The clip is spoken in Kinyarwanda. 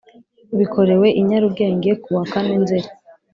Bikorewe i Nyarugenge ku wa kane nzeri